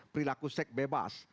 perilaku seks bebas